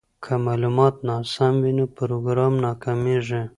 که معلومات ناسم وي نو پروګرام ناکامیږي.